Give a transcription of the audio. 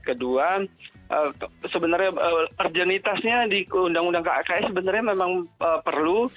kedua sebenarnya urgenitasnya di undang undang kks sebenarnya memang perlu